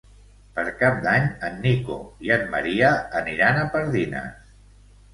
Per Cap d'Any en Nico i en Maria aniran a Pardines.